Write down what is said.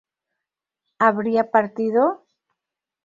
¿habría partido?